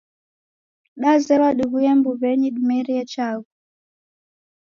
Dazerwa diw'uye mbuwenyi dimerie chaghu